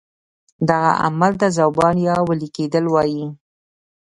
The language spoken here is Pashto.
دغه عمل ته ذوبان یا ویلي کیدل وایي.